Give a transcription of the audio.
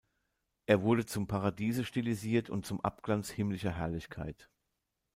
Er wurde zum Paradiese stilisiert und zum Abglanz himmlischer Herrlichkeit.